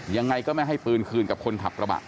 ยังไงก็ไม่ให้ปืนคืนกับคนขับกระบะ